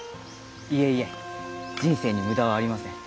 いえいえ人生に無駄はありません。